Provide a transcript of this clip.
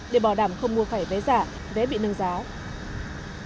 để bảo đảm không mua phải vé giả vé bị nâng giá